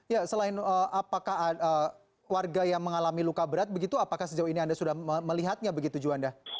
ya selain apakah warga yang mengalami luka berat begitu apakah sejauh ini anda sudah melihatnya begitu juanda